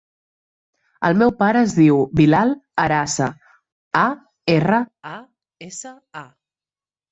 El meu pare es diu Bilal Arasa: a, erra, a, essa, a.